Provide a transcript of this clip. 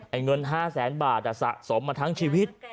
เงิน๕แสนบาทสะสมมาทั้งชีวิต